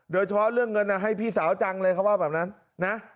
โดยเฉพาะเรื่องเงินให้พี่สาวจังเลยเขาว่าแบบนั้นนะ